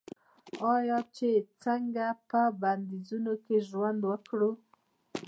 آیا چې څنګه په بندیزونو کې ژوند وکړو؟